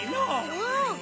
うん！